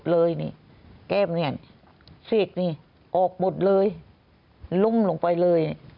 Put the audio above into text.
ออกไปหมดเลยนี่แก้มนี่เสียดนี่ออกหมดเลยลุ่มลงไปเลย